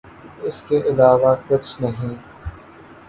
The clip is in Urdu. اس کے علاوہ کچھ نہیں۔